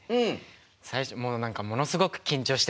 最初もう何かものすごく緊張してて。